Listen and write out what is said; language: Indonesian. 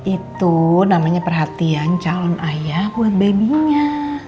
itu namanya perhatian calon ayah buat babynya